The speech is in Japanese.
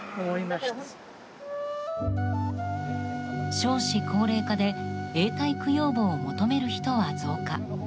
少子高齢化で永代供養墓を求める人は増加。